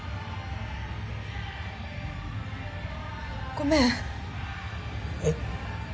ごめんえっ？